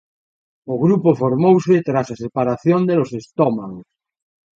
O grupo formouse tras a separación de Los Estómagos.